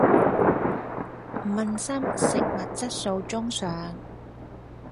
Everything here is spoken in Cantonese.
問心食物質素中上